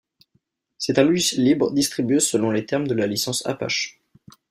C'est un logiciel libre distribué selon les termes de la licence Apache.